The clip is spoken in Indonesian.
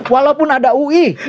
walaupun ada ui